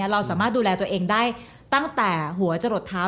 เราสามารถดูแลตัวเองได้ตั้งแต่หัวจะหลดเท้า